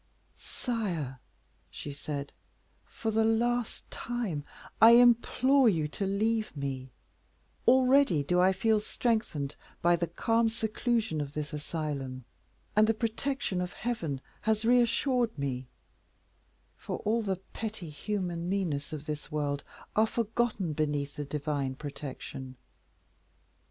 "Sire," she said, "for the last time I implore you to leave me; already do I feel strengthened by the calm seclusion of this asylum; and the protection of Heaven has reassured me; for all the pretty human meanness of this world are forgotten beneath the Divine protection.